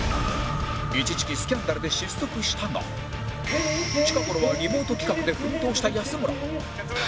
一時期スキャンダルで失速したが近頃はリモート企画で奮闘した安村